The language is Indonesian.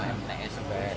kalau sekolah kalau korban